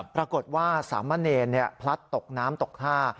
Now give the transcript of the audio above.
ปรากฏว่าสามะเนรพลัดตกน้ำตกท่า